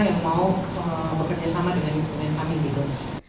yang mau bekerja sama dengan kami di indonesia